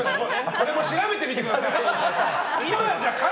これも調べてみてください。